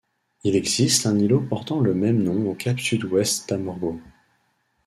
Il existe un îlot portant le même nom au cap Sud-Ouest d'Amorgos.